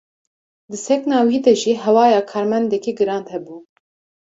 Di sekna wî de jî hewaya karmendekî giran hebû.